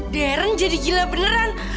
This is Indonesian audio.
deren jadi gila beneran